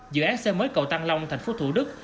dự án xây mới cầu tăng long tp thủ đức